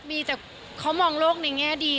มีแต่เขามองโลกในแง่ดี